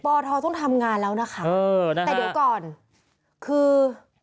ปอทอต้องทำงานแล้วนะคะแต่เดี๋ยวก่อนคือ